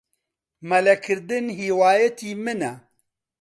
مەلەکردن هیوایەتی منە.